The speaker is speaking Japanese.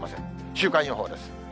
週間予報です。